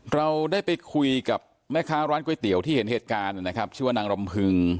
เราได้ไปคุยกับแม่ค้าร้านก๋วยเตี๋ยวที่เห็นเหตุการณ์เป็นนามผึง